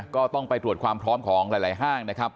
ก็ต้องไปตรวจความพร้อมของหลายห้างนะครับ